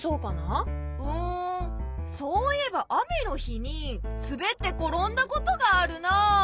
うんそういえば雨の日にすべって転んだことがあるなあ。